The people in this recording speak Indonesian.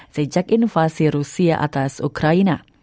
sejak invasi rusia atas ukraina